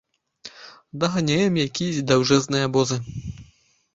Даганяем якіясь даўжэнныя абозы.